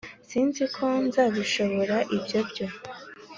sinziko nzabishobora ibyo byo